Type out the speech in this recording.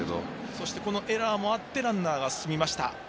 そしてエラーもあってランナーが進みました。